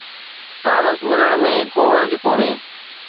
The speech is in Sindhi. ساڻس ملڻ ۾ ڪو حرج ڪونهي